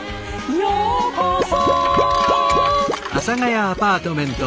「ようこそ」